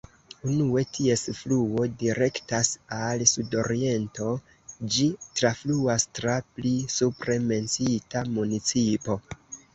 Unue ties fluo direktas al sudoriento, ĝi trafluas tra pli supre menciita municipo.